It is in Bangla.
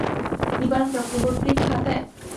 নিবারণ চক্রবর্তীর খাতায়?